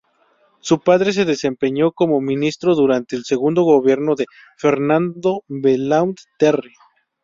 Su padre se desempeñó como ministro durante el segundo gobierno de Fernando Belaúnde Terry.